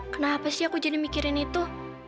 kenapa sih aku jadi mikirin itu